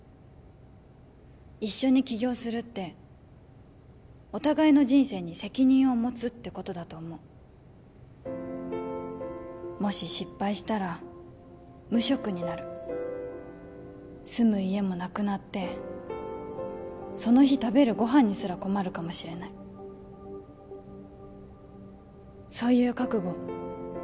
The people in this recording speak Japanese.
一緒に起業するってお互いの人生に責任を持つってことだと思うもし失敗したら無職になる住む家もなくなってその日食べるご飯にすら困るかもしれないそういう覚悟